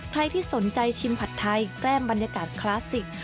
ใครที่สนใจชิมผัดไทยแกล้มบรรยากาศคลาสสิก